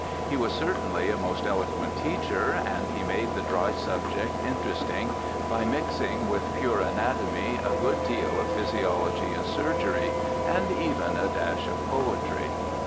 He was certainly a most eloquent teacher, and he made the dry subject interesting by mixing with pure anatomy a good deal of physiology and surgery, and even a dash of poetry.